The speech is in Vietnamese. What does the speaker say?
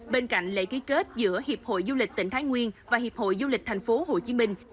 bên cạnh lệ ký kết giữa hiệp hội du lịch tỉnh thái nguyên và hiệp hội du lịch thành phố hồ chí minh